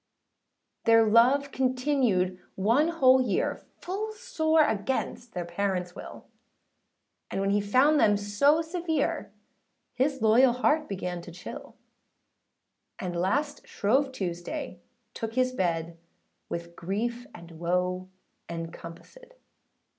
Their love continued one whole year, Full sore against their parentsâ will; And when he found them so severe, His loyal heart began to chill: And last Shrove Tuesday, took his bed, With grief and woe encompassèd.